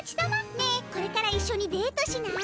ねえこれからいっしょにデートしない？